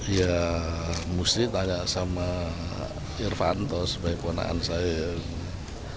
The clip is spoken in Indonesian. ya mesti tanya sama irvanto sebagai penanaan saya